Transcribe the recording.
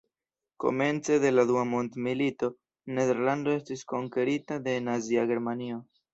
Komence de la dua mondmilito, Nederlando estis konkerita de Nazia Germanio.